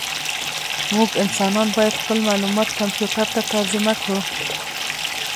موږ انسانان باید خپل معلومات کمپیوټر ته ترجمه کړو.